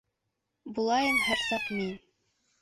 — Булайым һәр саҡ мин.